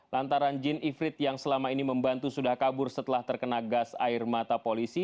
lantaran jin ivrid yang selama ini membantu sudah kabur setelah terkena gas air mata polisi